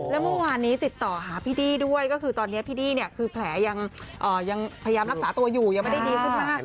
แล้วเมื่อวานนี้ติดต่อหาพี่ดี้ด้วยก็คือตอนนี้พี่ดี้เนี่ยคือแผลยังพยายามรักษาตัวอยู่ยังไม่ได้ดีขึ้นมาก